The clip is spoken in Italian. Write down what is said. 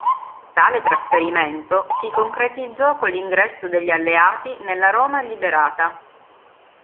Tale trasferimento si concretizzò con l'ingresso degli alleati nella Roma liberata.